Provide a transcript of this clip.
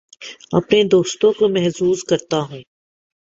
اپنے دوستوں کو محظوظ کرتا ہوں